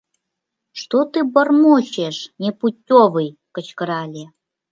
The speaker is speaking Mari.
— Что ты бормочешь, непутёвый! — кычкырале.